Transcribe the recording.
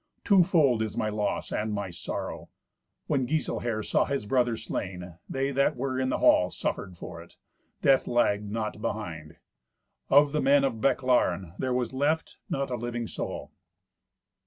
Twofold is my loss and my sorrow." When Giselher saw his brother slain, they that were in the hall suffered for it. Death lagged not behind. Of the men of Bechlaren there was left not a living soul.